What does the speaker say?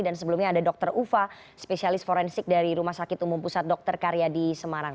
dan sebelumnya ada dokter ufa spesialis forensik dari rumah sakit umum pusat dokter karya di semarang